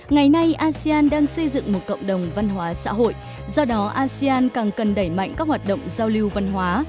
ngày nay asean đang xây dựng một cộng đồng văn hóa xã hội do đó asean càng cần đẩy mạnh các hoạt động giao lưu văn hóa